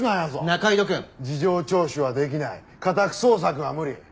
仲井戸くん。事情聴取はできない家宅捜索は無理。